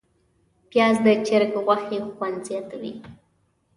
پیاز د چرګ غوښې خوند زیاتوي